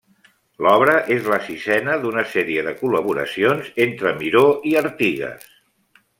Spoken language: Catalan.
L'obra és la sisena d'una sèrie de col·laboracions entre Miró i Artigas.